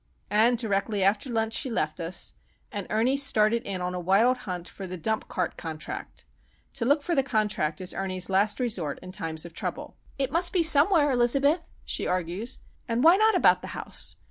And directly after lunch she left us, and Ernie started in on a wild hunt for "the dump cart contract." To look for the contract is Ernie's last resource in times of trouble. "It must be somewhere, Elizabeth," she argues, "and why not about the house?